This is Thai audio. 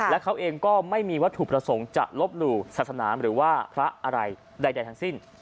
และเขาเองก็ไม่มีวัตถุประสงค์จะลบหลู่ศาสนาหรือว่าพระอะไรใดทั้งสิ้น